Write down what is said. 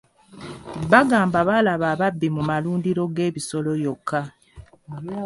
Bagamba baalaba ababbi mu malundiro g'ebisolo yokka.